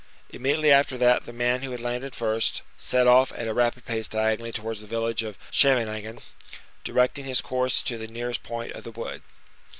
Immediately after that, the man who had landed first, set off at a rapid pace diagonally towards the village of Scheveningen, directing his course to the nearest point of the wood.